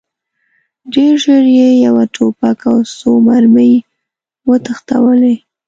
ډېر ژر یې یو توپک او څو مرمۍ وتښتولې.